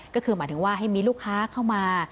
ก็คือหมายถึงว่าให้มีลูกค้าเข้ามา